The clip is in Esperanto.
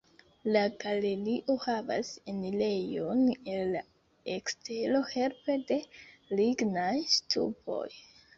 La galerio havas enirejon el la ekstero helpe de lignaj ŝtupoj.